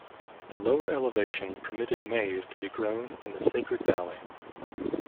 The lower elevation permitted maize to be grown in the Sacred Valley.